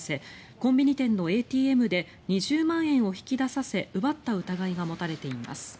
コンビニ店のＡＴＭで２０万円を引き出させ奪った疑いが持たれています。